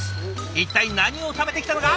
一体何を食べてきたのか